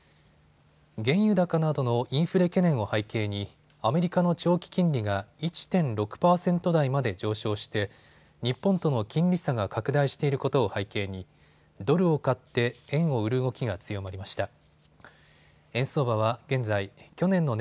原油高などのインフレ懸念を背景にアメリカの長期金利が１．６％台まで上昇して日本との金利差が拡大していることを背景にドルを買って円を売る動きが強まりました。